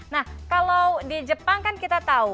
nah kalau di jepang kan kita tahu